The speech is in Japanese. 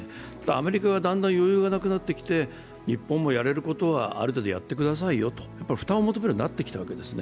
アメリカがだんだん余裕がなくなってきて日本もやれることは、ある程度やってくださいよと負担を求めるようになってきたわけです。